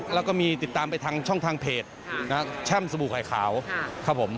แล้วก็มีติดตามไปทางช่องทางเพจแช่มสบู่ไข่ขาวครับผม